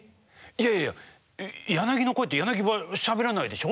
いやいやヤナギの声ってヤナギはしゃべらないでしょ？